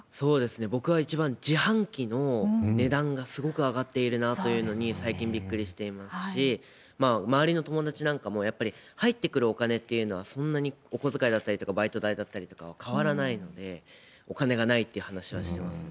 僕は一番自販機の値段がすごく上がっているなというのに、最近びっくりしていますし、周りの友達なんかも、やっぱり入ってくるお金っていうのはそんなに、お小遣いだったりとか、バイト代だったりとかは変わらないので、お金がないっていう話はしてますね。